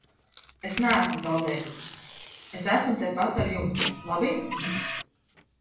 Es neesmu zaudējis, es esmu tepat ar jums, labi?